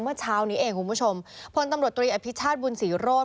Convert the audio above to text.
เมื่อเช้านี้เองคุณผู้ชมพลตำรวจตรีอภิชาติบุญศรีโรธ